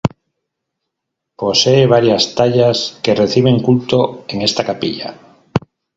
Posee varias tallas que reciben culto en esta Capilla.